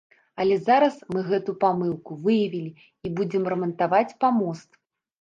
Але зараз мы гэту памылку выявілі і будзем рамантаваць памост.